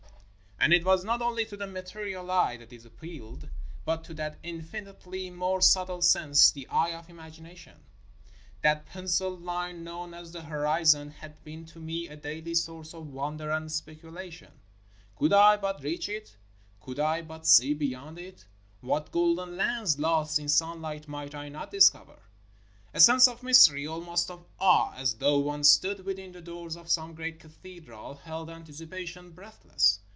And it was not only to the material eye that it appealed, but to that infinitely more subtle sense, the eye of imag ination. That penciled line known as the horizon had been to me a daily source of wonder and speculation. Could I but reach it ! Could I but see beyond it ! What golden lands lost in sunlight might I not discover. A sense of mystery, almost of awe, as though one stood within the doors of some great cathedral, held antici pation breathless.